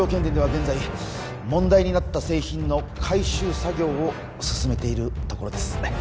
電では現在問題になった製品の改修作業を進めているところです